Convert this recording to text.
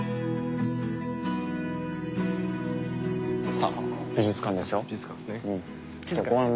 さあ美術館ですよ。